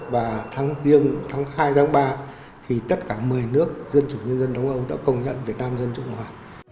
và tháng riêng tháng hai tháng ba thì tất cả một mươi nước dân chủ nhân dân đông âu đã công nhận việt nam dân chủ hòa